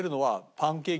パンケーキ。